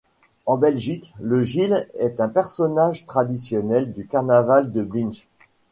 En Belgique, le gille est un personnage traditionnel du carnaval de Binche.